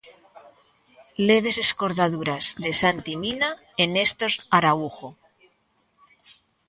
Leves escordaduras de Santi Mina e Néstor Araújo.